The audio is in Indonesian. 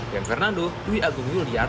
dan fernando dwi agung yuliar